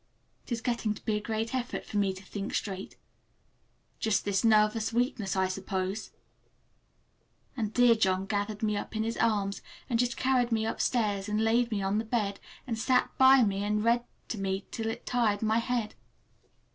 It is getting to be a great effort for me to think straight. Just this nervous weakness, I suppose. And dear John gathered me up in his arms, and just carried me upstairs and laid me on the bed, and sat by me and read to me till it tired my head.